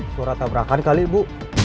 suara tabrakan kali bu